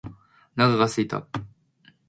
お腹が空いた。